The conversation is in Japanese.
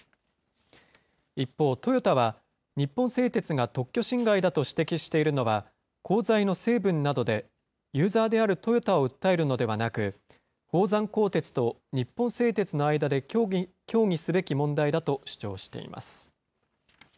一方、トヨタは日本製鉄が特許侵害だと指摘しているのは鋼材の成分などで、ユーザーであるトヨタを訴えるのではなく、宝山鋼鉄と日本製鉄の間で協議すべき問題だと主張しています。